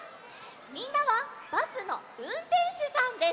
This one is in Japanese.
みんなはバスのうんてんしゅさんです。